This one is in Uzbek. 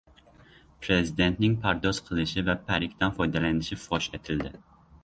Prezidentning pardoz qilishi va parikdan foydalanishi "fosh etildi"